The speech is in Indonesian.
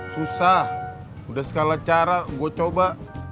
susah udah segala cara gue coba